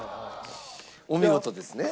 お見事ですね。